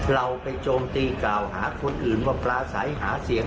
เราไปโจมตีกล่าวหาคนอื่นว่าปลาใสหาเสียง